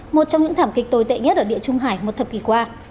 một trong những thảm kịch tồi tệ nhất ở địa trung hải một thập kỷ qua